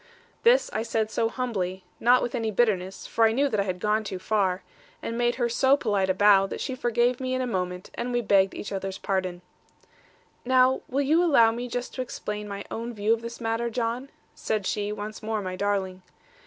This I said so humbly, and not with any bitterness for I knew that I had gone too far and made her so polite a bow, that she forgave me in a moment, and we begged each other's pardon. 'Now, will you allow me just to explain my own view of this matter, John?' said she, once more my darling.